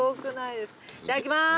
いただきます。